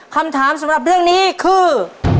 คำถามสำหรับเรื่องนี้คือ